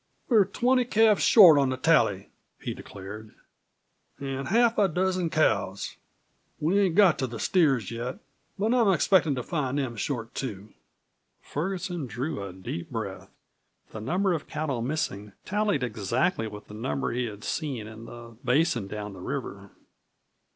"We're twenty calves short on the tally," he declared, "an' half a dozen cows. We ain't got to the steers yet, but I'm expectin' to find them short too." Ferguson drew a deep breath. The number of cattle missing tallied exactly with the number he had seen in the basin down the river.